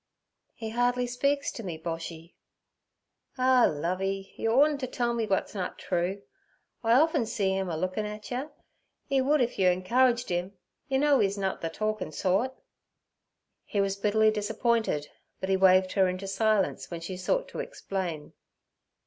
'He hardly speaks to me, Boshy.' 'Ah, Lovey, yer oughtn't ter tell me wut's nut true. I often see 'im a lookin' at yer; 'e would if yer encouraged 'im. Yer know, 'e's nut ther torkin' sort.' He was bitterly disappointed, but he waved her into silence when she sought to explain.